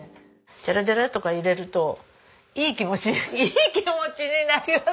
チャラチャラとか入れるといい気持ちいい気持ちになります！